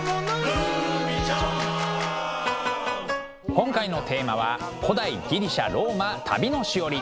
今回のテーマは「古代ギリシャ・ローマ旅のしおり」。